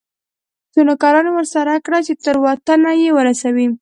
څو نوکران یې ورسره کړه چې تر وطنه یې ورسوي.